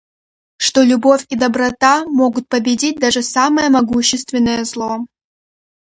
что любовь и доброта могут победить даже самое могущественное зло.